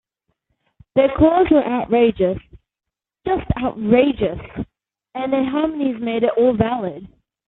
Their chords were outrageous, just outrageous, and their harmonies made it all valid.